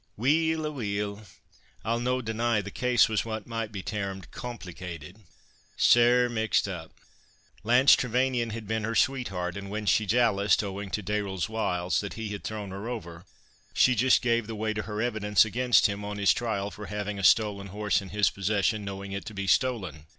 "Weel, aweel, I'll no deny the case was what may be tairmed compleecated—sair mixed up. Lance Trevanion had been her sweetheart, and when she jaloused, owing to Dayrell's wiles, that he had thrown her over, she just gave the weight o' her evidence against him, on his trial for having a stolen horse in his possession, knowing it to be stolen.